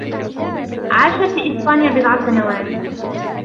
عاش في إسبانيا بضع سنوات.